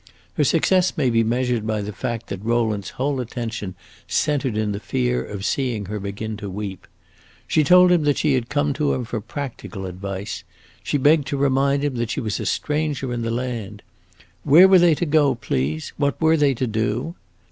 Her success may be measured by the fact that Rowland's whole attention centred in the fear of seeing her begin to weep. She told him that she had come to him for practical advice; she begged to remind him that she was a stranger in the land. Where were they to go, please? what were they to do?